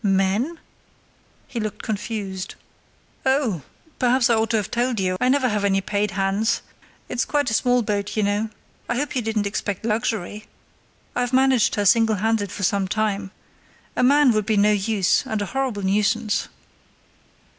"Men?" He looked confused. "Oh, perhaps I ought to have told you, I never have any paid hands; it's quite a small boat, you know—I hope you didn't expect luxury. I've managed her single handed for some time. A man would be no use, and a horrible nuisance."